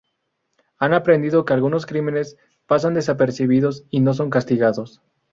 Han aprendido que algunos crímenes pasan desapercibidos y no son castigados.